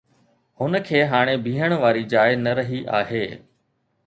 هن کي هاڻي بيهڻ واري جاءِ نه رهي آهي